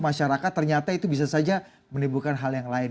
masyarakat ternyata itu bisa saja menimbulkan hal yang lain